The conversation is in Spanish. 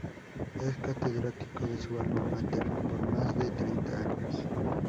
Es catedrático de su alma mater por más de treinta años.